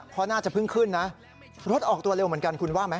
เพราะน่าจะเพิ่งขึ้นนะรถออกตัวเร็วเหมือนกันคุณว่าไหม